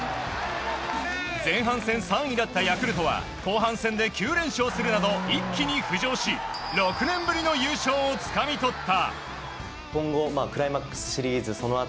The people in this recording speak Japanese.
前半戦３位だったヤクルトは後半戦で９連勝するなど一気に浮上し６年ぶりの優勝をつかみ取った。